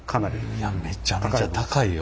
いやめちゃめちゃ高いよ